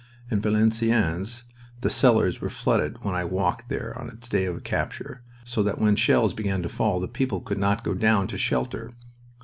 In Valenciennes the cellars were flooded when I walked there on its day of capture, so that when shells began to fall the people could not go down to shelter.